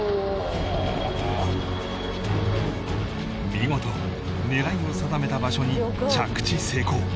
見事狙いを定めた場所に着地成功